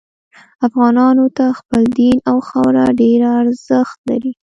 افغانانو ته خپل دین او خاوره ډیر ارزښت لري